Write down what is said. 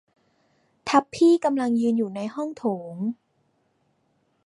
ทัพพี่กำลังยืนอยู่ในห้องโถง